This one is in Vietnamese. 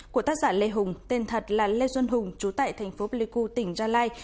của tác giả lê hùng tên thật là lê duân hùng trú tại thành phố pleiku tỉnh gia lai